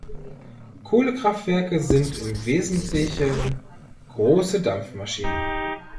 Kohlekraftwerke sind im Wesentlichen große Dampfmaschinen.